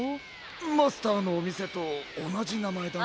マスターのおみせとおなじなまえだな。